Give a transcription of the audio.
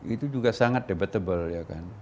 itu juga sangat debatable